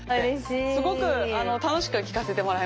すごく楽しく聴かせてもらいました。